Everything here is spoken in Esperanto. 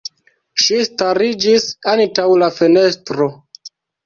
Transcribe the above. Ŝi stariĝis antaŭ la fenestro.